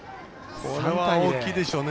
これは大きいでしょうね